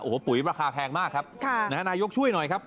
โอ้โหปุ๋ยราคาแพงมากครับนายกช่วยหน่อยครับ